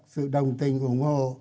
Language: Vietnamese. sự đồng tình ủng hộ